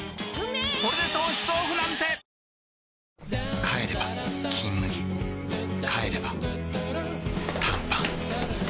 これで糖質オフなんて帰れば「金麦」帰れば短パン